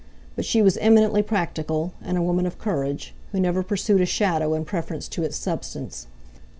But she was eminently practical, and a woman of courage, who never pursued a shadow in preference to its substance.